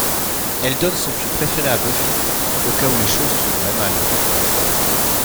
Elle donne son pieu préféré à Buffy au cas où les choses tourneraient mal.